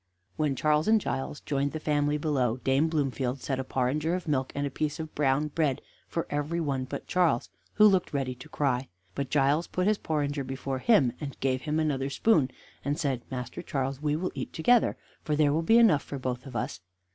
When Charles and Giles joined the family below Dame Bloomfield set a porringer of milk and a piece of brown bread for every one but Charles, who looked ready to cry, but Giles put his porringer before him, and gave him another spoon, and said: "Master Charles, we will eat together, for there will be enough for both of us."